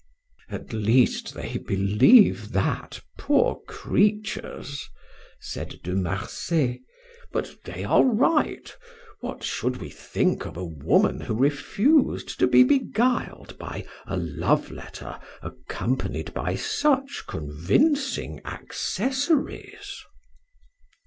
"At least they believe that, poor creatures!" said De Marsay; "but they are right. What should we think of a woman who refused to be beguiled by a love letter accompanied by such convincing accessories?"